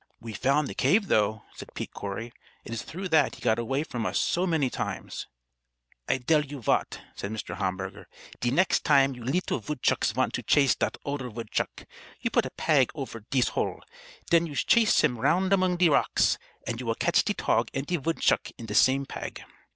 "We've found the cave, though," said Pete Corry. "It's through that he got away from us so many times." "I dell you vat," said Mr. Hamburger; "de nex' time you leetle vootshucks vant to chase dat oder vootshuck, you put a pag ofer dese hole. Den you shace him round among de rocks, and you will catch de tog ant de vootshuck into de same pag."